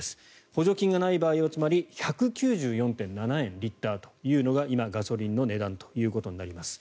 補助金がない場合はつまり１９４．７円１リットルというのが今、ガソリンの値段となります。